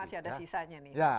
masih ada sisanya nih